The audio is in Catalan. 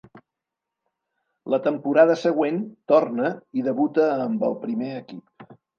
La temporada següent torna i debuta amb el primer equip.